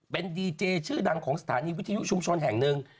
เป็นดีเจชื่อดังของสถานีวิทยุชุมชนแห่งหนึ่ง